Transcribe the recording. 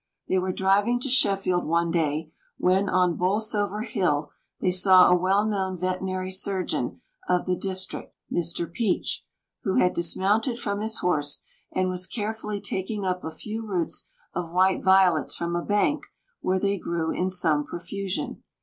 They were driving to Sheffield one day, when on Bolsover Hill they saw a well known veterinary surgeon of the district, Mr. Peech, who had dismounted from his horse, and was carefully taking up a few roots of white violets from a bank where they grew in some profusion.